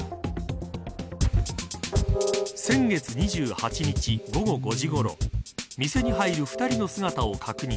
先月２８日午後５時ごろ店に入る２人の姿を確認。